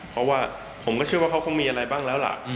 เพราะว่าผมก็เชื่อว่าเขาคงมีอะไรบ้างแล้วล่ะ